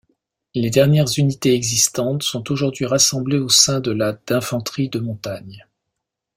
Les dernières unités existantes sont aujourd'hui rassemblées au sein de la d'infanterie de montagne.